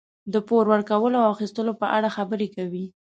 د پور ورکولو او اخیستلو په اړه خبرې کوي.